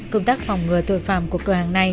công tác phòng ngừa tội phạm của cửa hàng này